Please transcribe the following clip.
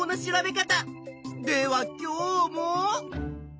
では今日も。